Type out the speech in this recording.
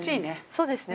そうですね。